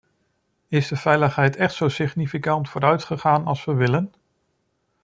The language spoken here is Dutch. Is de veiligheid echt zo significant vooruitgegaan als we willen?